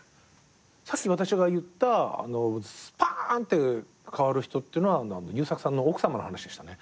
さっき私が言ったスパンって変わる人っていうのは優作さんの奥さまの話でしたね。